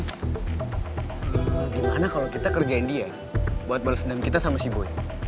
gimana kalau kita kerjain dia buat balesendang kita sama si boy